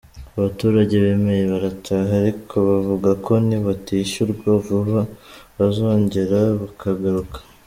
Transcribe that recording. Abaturage bemeye barataha ariko bavuga ko nibatishyurwa vuba bazongera bakagaruka.